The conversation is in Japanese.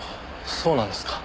そうなんですか。